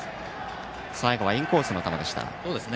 最後はインコースの球でした。